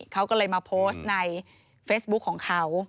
เขาก็เลยมาโพสต์ในเฟซบุ๊คของเขา